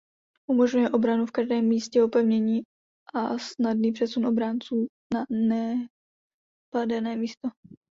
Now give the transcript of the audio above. Umožňuje obranu v každém místě opevnění a snadný přesun obránců na napadené místo.